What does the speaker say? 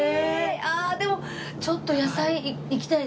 あっでもちょっと野菜行きたいですね。